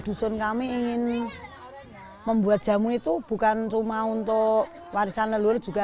dusun kami ingin membuat jamu itu bukan cuma untuk warisan lelur juga